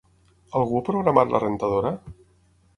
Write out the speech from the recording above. Algú ha programat la rentadora?